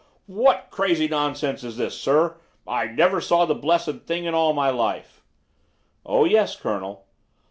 "W w what crazy nonsense is this, sir? I never saw the blessed thing in all my life." "Oh, yes, Colonel.